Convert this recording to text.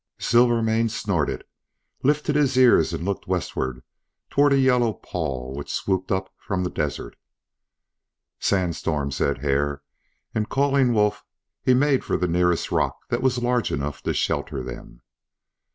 Silvermane snorted, lifted his ears and looked westward toward a yellow pall which swooped up from the desert. "Sand storm," said Hare, and calling Wolf he made for the nearest rock that was large enough to shelter them.